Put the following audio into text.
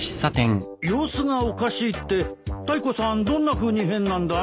様子がおかしいってタイコさんどんなふうに変なんだい？